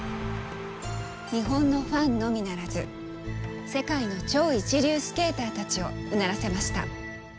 日本のファンのみならず世界の超一流スケーターたちをうならせました。